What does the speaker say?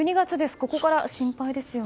ここから心配ですね。